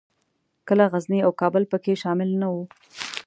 کله غزني او کابل پکښې شامل نه وو.